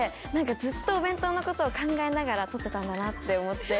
ずっとお弁当のことを考えながら捕ってたんだなって思って。